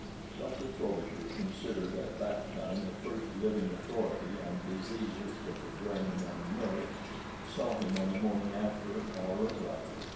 Dr. Frobisher, considered at that time the first living authority on diseases of the brain and nerves, saw him on the morning after our arrival.